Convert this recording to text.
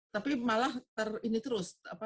tapi malah ini terus